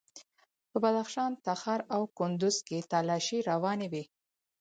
په بدخشان، تخار او کندوز کې تالاشۍ روانې وې.